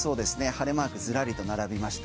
晴れマークずらりと並びました。